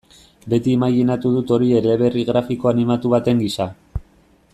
Beti imajinatu dut hori eleberri grafiko animatu baten gisa.